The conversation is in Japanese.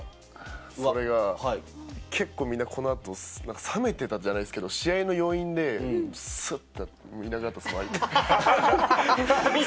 それが結構、みんなこのあと冷めてたじゃないですけれど、試合の余韻でスッてなって、いなくなって。